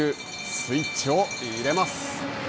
スイッチを入れます。